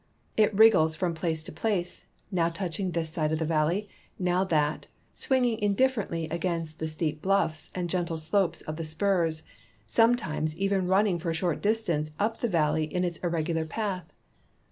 It wriggles from place to place, now touching this side of the valley, now that, swinging indifferently against the steep bluffs and gentle slopes of the spurs, sometimes even running for a short distance up the valley in its irregular j)ath.